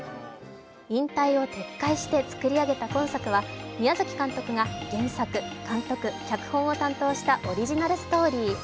引退を撤回して作り上げた今作は、宮崎監督が原作、監督、脚本を担当したオリジナルストーリー。